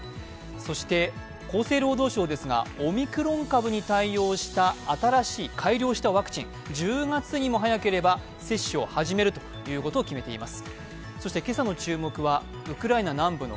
そして厚生労働省ですがオミクロン株に対応した新しい改良したワクチン１０月にも早ければ接種を始めるということを決めています。